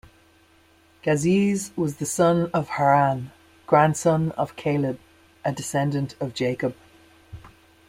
Gazez was the son of Haran, grandson of Caleb, a descendent of Jacob.